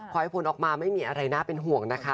คอยอภูนิ์ออกมาไม่มีอะไรหน้าเป็นหวงนะคะ